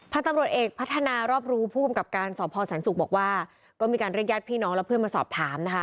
ตำรวจเอกพัฒนารอบรู้ผู้กำกับการสอบพอแสนศุกร์บอกว่าก็มีการเรียกญาติพี่น้องและเพื่อนมาสอบถามนะคะ